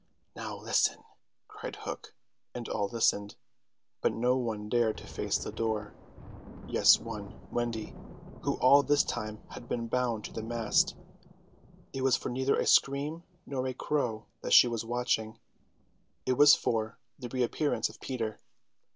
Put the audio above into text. "Now, listen!" cried Hook, and all listened. But not one dared to face the door. Yes, one, Wendy, who all this time had been bound to the mast. It was for neither a scream nor a crow that she was watching, it was for the reappearance of Peter.